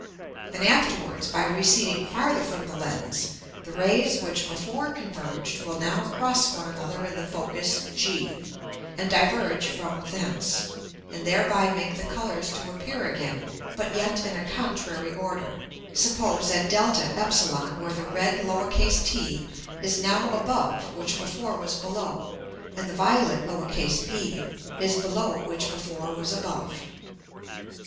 And afterwards by receding farther from the Lens, the Rays which before converged will now cross one another in the Focus G, and diverge from thence, and thereby make the Colours to appear again, but yet in a contrary order; suppose at [Greek: de], where the red t is now above which before was below, and the violet p is below which before was above.